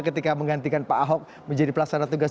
ketika menggantikan pak ahok menjadi pelaksana tugas